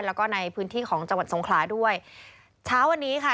แล้วก็ในพื้นที่ของจังหวัดสงขลาด้วยเช้าวันนี้ค่ะ